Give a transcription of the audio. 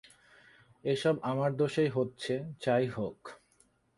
এসব আমার দোষেই হচ্ছে, যাই হোক।